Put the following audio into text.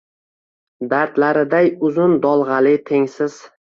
dardlariday uzun dolg’ali tengsiz